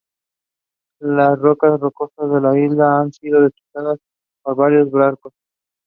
It was owned by Penn National Gaming.